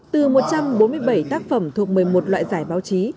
từ một trăm bốn mươi bảy tác phẩm thuộc một mươi một loại giải báo chí